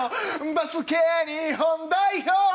バスケ日本代表